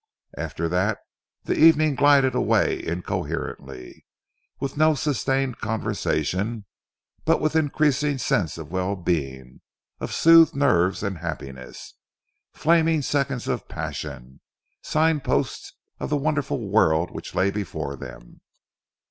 After that, the evening glided away incoherently, with no sustained conversation, but with an increasing sense of well being, of soothed nerves and happiness, flaming seconds of passion, sign posts of the wonderful world which lay before them.